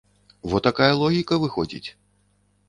Во такая логіка выходзіць.